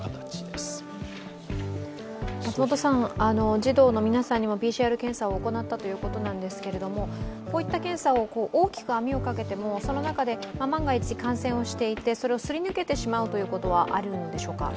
児童の皆さんにもＰＣＲ検査を行ったということですけれども、こういった検査を大きく網をかけてもその中で万が一感染をしていて、それをすり抜けてしまうということはあるんでしょうか？